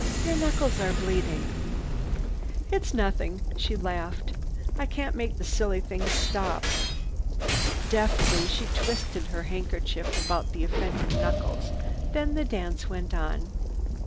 "Your knuckles are bleeding!" "It's nothing," she laughed. "I can't make the silly things stop." Deftly she twisted her handkerchief about the offending knuckles. Then the dance went on.